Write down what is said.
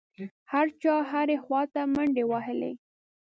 هر چا هرې خوا ته منډې وهلې.